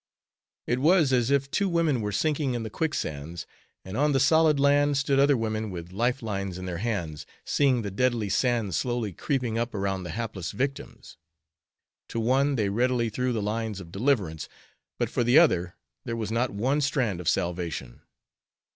It was as if two women were sinking in the quicksands, and on the solid land stood other women with life lines in their hands, seeing the deadly sands slowly creeping up around the hapless victims. To one they readily threw the lines of deliverance, but for the other there was not one strand of salvation.